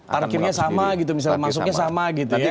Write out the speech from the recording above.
parkirnya sama gitu misalnya masuknya sama gitu ya